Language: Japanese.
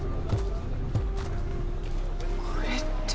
これって。